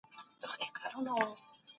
میلاټونین د بدن د خوب او ویښې حالت تنظیموي.